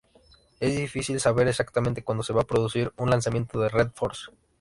Es difícil saber exactamente cuando se va a producir un lanzamiento de Red Force.